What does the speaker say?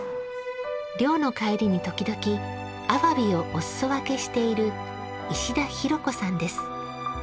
漁の帰りに時々あわびをお裾分けしている石田裕子さんです。